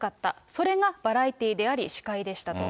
それがバラエティであり、司会でしたと。